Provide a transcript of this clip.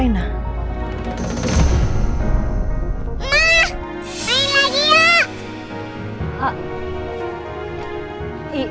main lagi ya